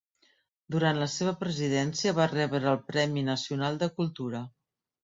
Durant la seva presidència va rebre el Premi Nacional de Cultura.